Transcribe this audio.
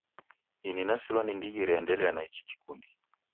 Ini nasilwa ni ndighi reendelea na ichi kikundi